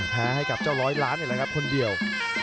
ให้กับเจ้าร้อยล้านนี่แหละครับคนเดียว